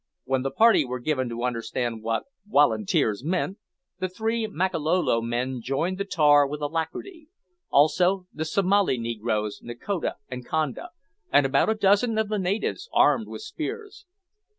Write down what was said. When the party were given to understand what "wolunteers" meant, the three Makololo joined the tar with alacrity, also the Somali negroes Nakoda and Conda, and about a dozen of the natives, armed with spears.